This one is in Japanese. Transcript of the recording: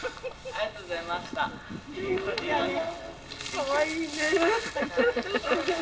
かわいいね。